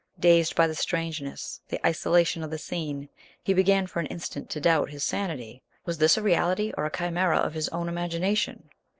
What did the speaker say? Dazed by the strangeness, the isolation of the scene, he began for an instant to doubt his sanity; was this a reality or a chimera of his own imagination?